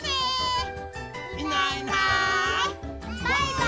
はい。